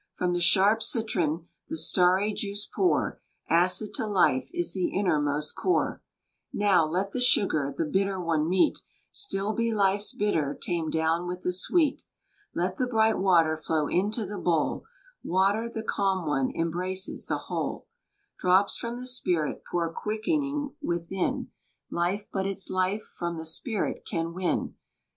From the sharp citron The starry juice pour; Acid to life is The innermost core. Now, let the sugar The bitter one meet; Still be life's bitter Tamed down with the sweet! Let the bright water Flow into the bowl; Water, the calm one, Embraces the whole. Drops from the spirit Pour quick'ning within, Life but its life from The spirit can win.